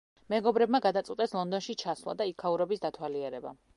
მეგობრებმა გადაწყვიტეს ლონდონში ჩასვლა და იქაურობის დათვალიერება.